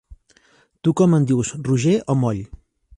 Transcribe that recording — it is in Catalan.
Tu com en dius: roger o moll?